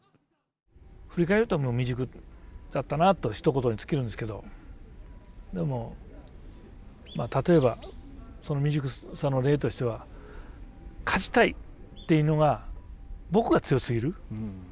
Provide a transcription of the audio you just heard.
振り返ると未熟だったなとひと言に尽きるんですけどでも例えばその未熟さの例としては勝ちたいというのが僕が強すぎる。